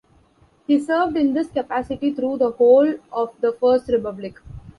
He served in this capacity through the whole of the first republic.